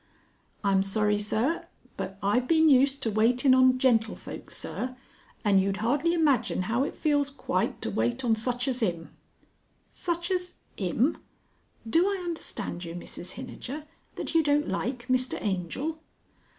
_" "I'm sorry, sir. But I've been used to waitin' on gentlefolks, sir; and you'd hardly imagine how it feels quite to wait on such as 'im." "Such as ... 'im! Do I understand you, Mrs Hinijer, that you don't like Mr Angel?"